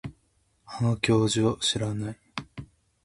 あの教授を知らない